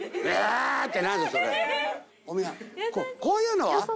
こういうのは？